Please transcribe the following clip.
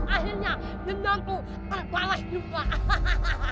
akhirnya bintangku terbang semua